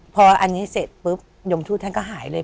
พออันนี้เสร็จปุ๊บยมทูตท่านก็หายเลย